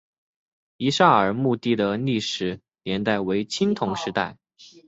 乙沙尔墓地的历史年代为青铜时代。